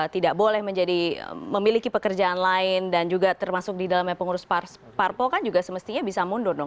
tidak boleh menjadi memiliki pekerjaan lain dan juga termasuk di dalamnya pengurus parpol kan juga semestinya bisa mundur dong